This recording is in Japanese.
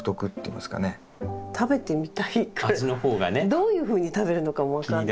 どういうふうに食べるのかも分かんない。